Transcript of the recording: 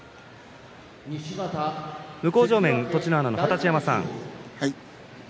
向正面、栃乃花の二十山さん